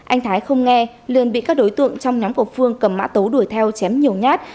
anh thái không nghe liền bị các đối tượng trong nhóm của phương cầm mã tấu đuổi theo chém nhiều nhát